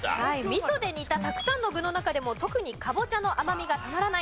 味噌で煮たたくさんの具の中でも特にカボチャの甘みがたまらない。